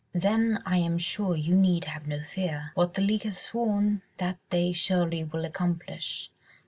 "Then I am sure you need have no fear. What the league have sworn, that they surely will accomplish.